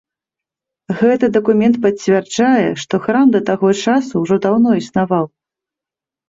Гэты дакумент пацвярджае, што храм да таго часу ўжо даўно існаваў.